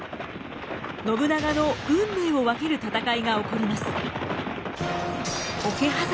信長の運命を分ける戦いが起こります。